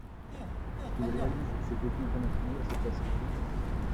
Il réalise ses débuts internationaux à ce poste.